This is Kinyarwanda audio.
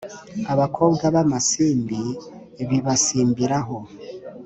abakobwa b’amasimbi bibasimbiraho